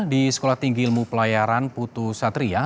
di sekolah tinggi ilmu pelayaran putu satria